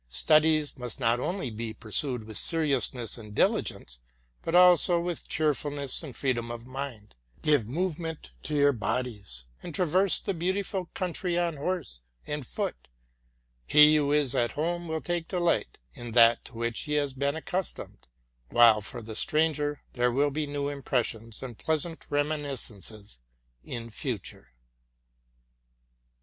Studies inust not only be pursued with seriousness and diligence, but also with cheerfulness and freedom of mind. Give movement to your bodies, and traverse the beautiful country on horse back and on foot. He who is at home will take delight in that to which he has been accustomed ; while for the stranger there will be new impressions, and pleasant reminiscences in future.